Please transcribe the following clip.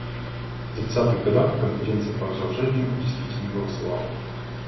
В тридцатых годах Конференция по разоружению, действительно, голосовала.